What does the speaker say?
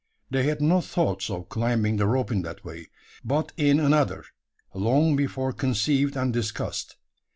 They had no thoughts of climbing the rope in that way; but in another, long before conceived and discussed.